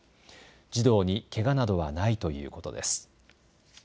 児童にけがなどはないということです。